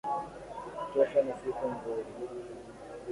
Kesho ni siku nzuri